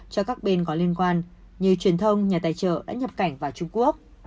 cho các bên có liên quan như truyền thông nhà tài trợ đã nhập cảnh vào trung quốc